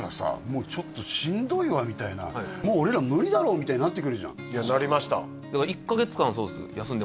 「もうちょっとしんどいわ」みたいな「もう俺ら無理だろう」みたいになってくるじゃんなりました